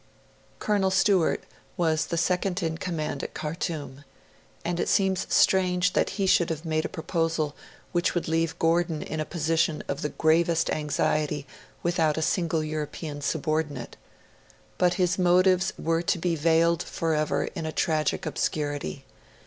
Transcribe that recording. Colonel Stewart was the second in command at Khartoum; and it seems strange that he should have made a proposal which would leave Gordon in a position of the gravest anxiety without a single European subordinate. But his motives were to be veiled forever in a tragic obscurity.